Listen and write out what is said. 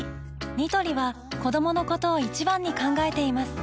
ニトリは子どものことを一番に考えています